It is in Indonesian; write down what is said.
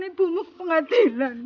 ibu ke pengadilan